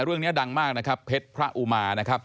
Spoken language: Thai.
เรื่องนี้ดังมากนะครับเผ็ดพระอุมา